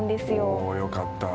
おおよかった。